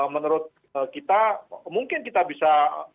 menurut kita mungkin kita bisa